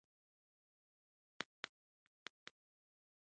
شهيد مو دفن کړ.